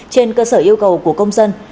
trên cơ sở yêu cầu của công dân